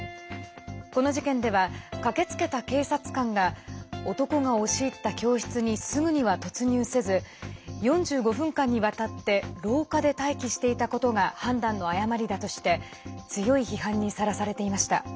この事件では駆けつけた警察官が男が押し入った教室にすぐには突入せず４５分間にわたって廊下で待機していたことが判断の誤りだとして強い批判にさらされていました。